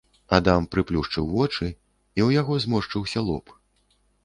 Адам прыплюшчыў вочы, і ў яго зморшчыўся лоб.